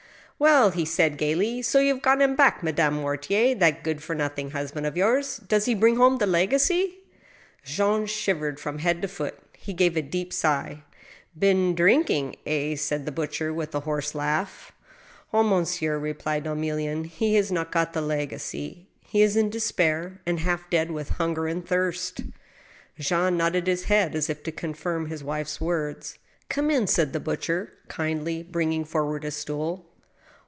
" Well," said he, gayly, " so you have got him back, Madame Mortier — ^that good for nothing husband of yours ! Does he bring home the legacy ?" Jean shivered from head to foot ; he gave a deep sigh. "Been drinking, ... eh?" said the butcher, with a hoarse laugh. " Ah, monsieur," replied Emilienne, " he has not got the legacy. ... He is in despair, and half dead with hunger and thirst." Jean nodded his head as if to confirm his wife's words. " Come in," said the butcher, kindly, bringing forward a stool.